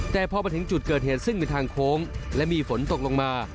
แต่พอมาถึงจุดเกิดเหตุซึ่งเป็นทางโค้งและมีฝนตกลงมา